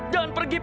jangan pergi pa